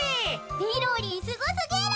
みろりんすごすぎる。